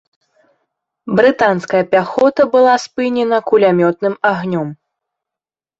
Брытанская пяхота была спынена кулямётным агнём.